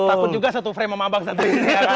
takut juga satu frame sama abang satu ini